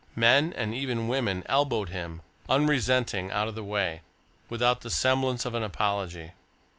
Men, and even women, elbowed him, unresenting, out of the way, without the semblance of an apology.